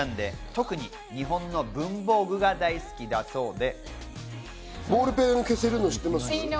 特に日本の文房具が大好きだそうで。